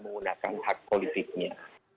menggunakan hak politiknya